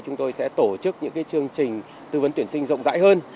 chúng tôi sẽ tổ chức những chương trình tư vấn tuyển sinh rộng rãi hơn